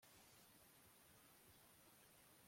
kazitunga yari asinziriye Mariya avuza inzogera yo ku muryango